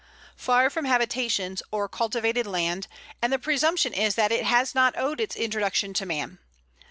far from habitations or cultivated land, and the presumption is that it has not owed its introduction to man.